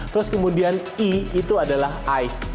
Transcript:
terus kemudian i itu adalah ice